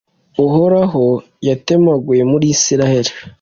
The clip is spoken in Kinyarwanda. Uhoraho yatemaguye muri Israheli,